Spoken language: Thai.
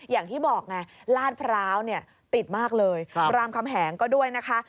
อย่างที่บอกไงลาดพร้าวเนี่ยติดมากเลยรามคำแหงก็ด้วยนะคะ